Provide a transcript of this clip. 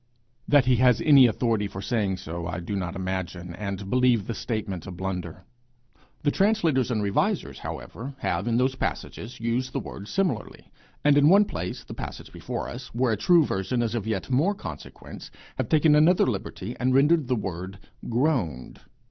That he has any authority for saying so, I do not imagine, and believe the statement a blunder. The Translators and Revisers, however, have in those passages used the word similarly, and in one place, the passage before us, where a true version is of yet more consequence, have taken another liberty and rendered the word 'groaned.'